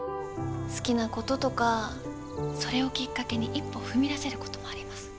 好きなこととかそれをきっかけに一歩踏み出せることもあります。